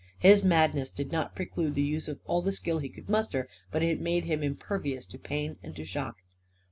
His madness did not preclude the use of all the skill he could muster, but it made him impervious to pain and to shock.